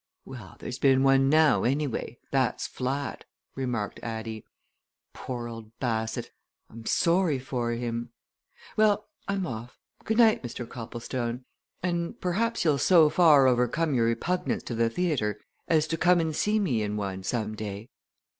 "Well, there's been one now, anyway that's flat," remarked Addie. "Poor old Bassett I'm sorry for him! Well, I'm off. Good night, Mr. Copplestone and perhaps you'll so far overcome your repugnance to the theatre as to come and see me in one some day?"